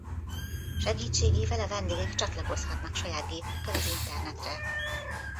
Segítségével a vendégek csatlakozhatnak saját gépükkel az internetre.